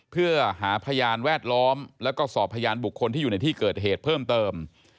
เพื่อหาพยานแวดล้อมแล้วก็สอบพยานบุคคลที่อยู่ในที่เกิดเหตุเพิ่มเติม